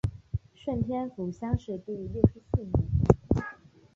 顺天府乡试第六十四名。